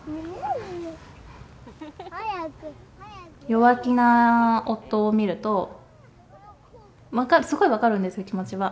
弱気な夫を見ると、分かる、すごい分かるんですよ、気持ちは。